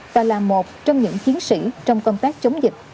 và là một trong những chiến sĩ trong công tác chống dịch